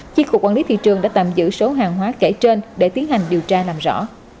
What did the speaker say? chiếc cục quản lý thị trường đã tạm giữ số hàng hóa kể trên để tiến hành điều tra làm rõ